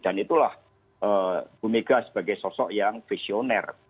dan itulah ibu megawati sebagai sosok yang visioner